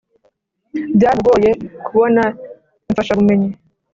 byaramugoye kubona imfashabumenyi